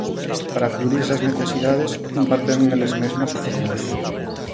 Para cubrir esas necesidades, imparten eles mesmos a formación.